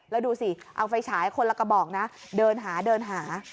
แล้วดูสิเอาไฟฉายคนละกระบอกนะเดินหาเดินหา